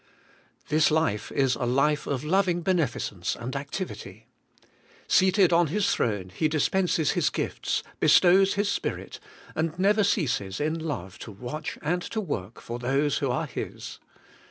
This life is a life of loving beneficence and activity. 233 ABIDE IN CHRIST: Seated on His throne, He dispenses His gifts, bestows His spirit, and never ceases in love to watch and to work for those who are His.